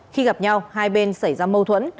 khi gặp nhau hai bên xảy ra mâu thuẫn